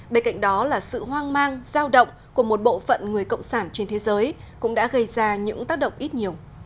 bên cạnh đó là sự hoang mang giao động của một bộ phận người cộng sản trên thế giới cũng đã gây ra những tác động ít nhiều